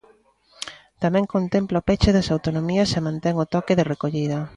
Tamén contempla o peche das autonomías e mantén o toque de recollida.